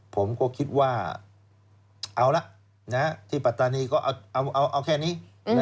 ผมก็คิดว่าเอาละที่ปัตตานีก็เอาแค่นี้